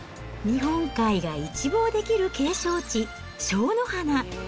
日本海が一望できる景勝地、礁の鼻。